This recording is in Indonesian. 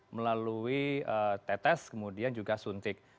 melalui tetes kemudian juga suntik